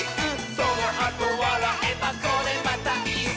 「そのあとわらえばこれまたイス！」